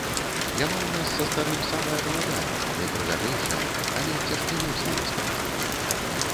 Яна ў нас са старым самая маладая, найпрыгажэйшая, але цяжкі лёс яе спаткаў.